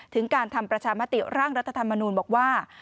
ถึงการทำประชามติร่างรัฐธรรมนูลบอกว่า